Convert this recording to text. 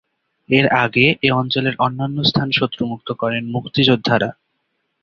এর আগে এ অঞ্চলের অন্যান্য স্থান শত্রু মুক্ত করেন মুক্তিযোদ্ধারা।